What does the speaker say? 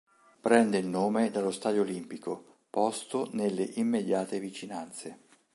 Prende il nome dallo stadio olimpico, posto nelle immediate vicinanze.